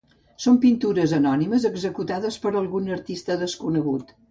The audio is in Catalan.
Són pintures anònimes, executades per algun artista desconegut.